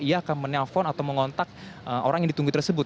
ia akan menelpon atau mengontak orang yang ditunggu tersebut